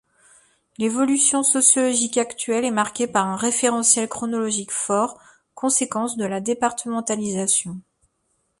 L'évolution sociologique actuelle est marquée par un référentiel chronologique fort, conséquences de la départementalisation.